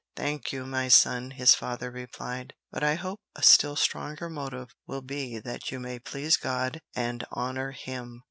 "Thank you, my son," his father replied, "but I hope a still stronger motive will be that you may please God and honor Him.